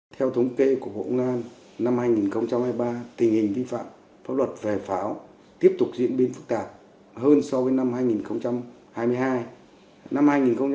theo thống kê của hội ngân năm hai nghìn hai mươi ba tình hình vi phạm pháo luật về pháo tiếp tục diễn biến phức tạp hơn so với năm hai nghìn hai mươi hai